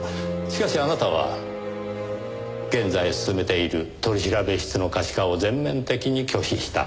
しかしあなたは現在進めている取調室の可視化を全面的に拒否した。